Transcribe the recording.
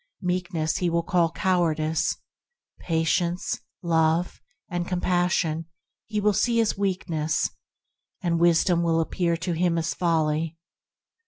Meekness he will call cowardice; Patience, Love, and Compassion he will see as weakness; and Wisdom will appear to him as folly.